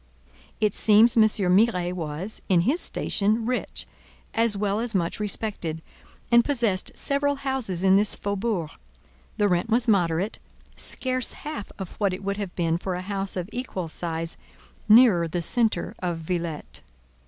It seems M. Miret was, in his station, rich, as well as much respected, and possessed several houses in this faubourg; the rent was moderate, scarce half of what it would have been for a house of equal size nearer the centre of Villette.